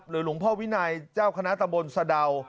หลวงพ่อวินัยเจ้าคณะตำบลสะดาว